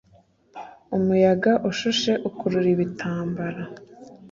Umuyaga ushushe ukurura ibitambara